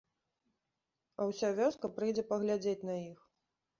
А ўся вёска прыйдзе паглядзець на іх.